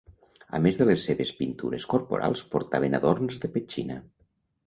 A més de les seves pintures corporals portaven adorns de petxina.